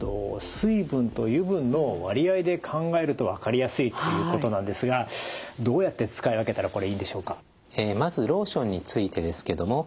水分と油分の割合で考えると分かりやすいっていうことなんですがどうやって使い分けたらこれいいんでしょうか？